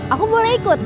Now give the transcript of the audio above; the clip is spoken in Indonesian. aku boleh ikut